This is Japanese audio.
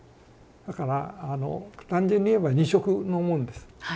だからあの単純に言えば２色のものです。